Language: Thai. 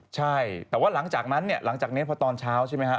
ใช่แต่ว่าหลังจากนั้นเนี่ยหลังจากนี้พอตอนเช้าใช่ไหมฮะ